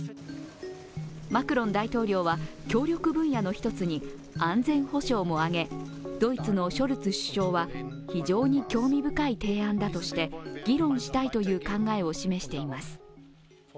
マクロン大統領は、協力分野の一つに、安全保障も挙げドイツのショルツ首相は、非常に興味深い提案だとして議論したいという考えを示しています。